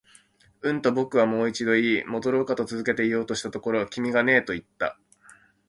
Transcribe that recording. うん、と僕はもう一度言い、戻ろうかと続けて言おうとしたところ、君がねえと言った